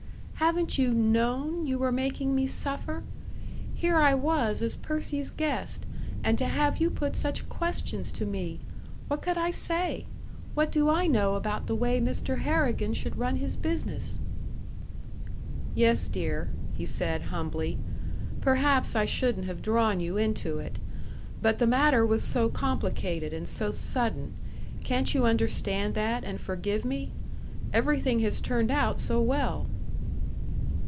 "Haven't you known you were making me suffer? Here I was as Percy's guest; and to have you put such questions to me! What could I say? What do I know about the way Mr. Harrigan should run his business?" "Yes, dear," he said, humbly. "Perhaps I shouldn't have drawn you into it. But the matter was so complicated and so sudden. Can't you understand that, and forgive me? Everything has turned out so well!"